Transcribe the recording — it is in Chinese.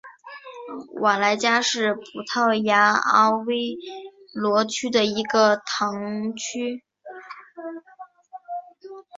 瓦莱加是葡萄牙阿威罗区的一个堂区。